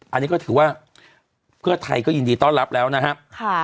อันนี้ก็ถือว่าเพื่อไทยก็ยินดีต้อนรับแล้วนะครับ